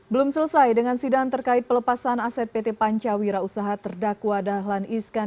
belum selesai dengan sidang terkait pelepasan aset pt pancawira usaha terdakwa dahlan iskan